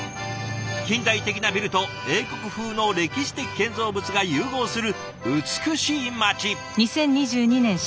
近代的なビルと英国風の歴史的建造物が融合する美しい街。